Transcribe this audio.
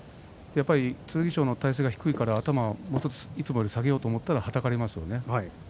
剣翔の体勢が低いから頭をいつもより下げようと思ったら、はたかれますよね。